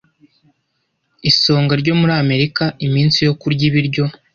Isonga ryo muri Amerika iminsi yo kurya ibiryo